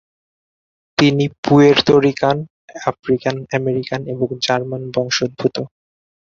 তিনি Puerto Rican, African American এবং German বংশোদ্ভূত।